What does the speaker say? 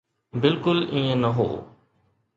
بلڪل ائين نه هو.